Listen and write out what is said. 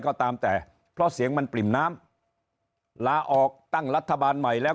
ก็ตามแต่เพราะเสียงมันปริ่มน้ำลาออกตั้งรัฐบาลใหม่แล้ว